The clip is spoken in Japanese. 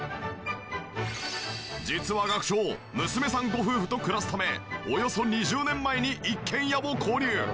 実は学長娘さんご夫婦と暮らすためおよそ２０年前に一軒家を購入。